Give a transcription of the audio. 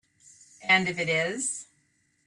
And if it is?